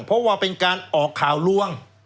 เพราะว่าเป็นการออกข่าวลวง